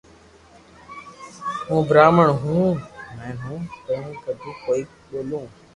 ھون براھمڻ ھون ھون ڪوڻ ڪيدو ڪوئي ٻولو